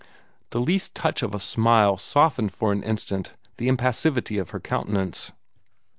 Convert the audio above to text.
The least touch of a smile softened for an instant the impassivity of her countenance.